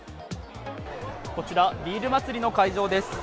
こちら、ビール祭りの会場です。